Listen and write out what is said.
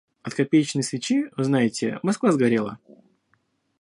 От копеечной свечи, вы знаете, Москва сгорела.